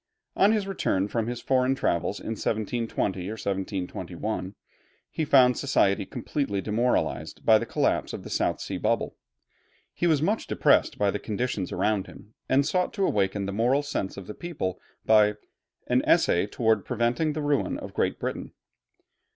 On his return from his foreign travels in 1720 or 1721, he found society completely demoralized by the collapse of the South Sea bubble. He was much depressed by the conditions around him, and sought to awaken the moral sense of the people by 'An Essay toward Preventing the Ruin of Great Britain.'